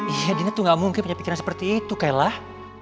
iya dina tuh gak mungkin punya pikiran seperti itu kay lah